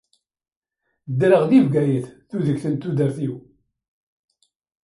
Ddreɣ di Bgayet tuget n tudert-iw.